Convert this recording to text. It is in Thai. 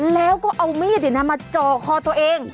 แล้วก็เอามีดเดี๋ยวนั้นมาจอคอตัวเอง